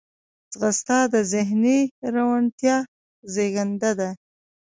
ځغاسته د ذهني روڼتیا زیږنده ده